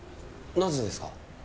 なぜですか？